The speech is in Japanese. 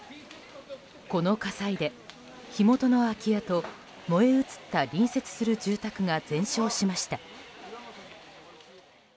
この火事で火元の空き家と燃え移った隣接する住宅が全焼しました。